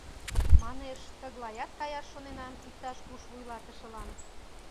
Манеш, тыглаят каяш шоненам, иктаж-куш вуйлатышылан.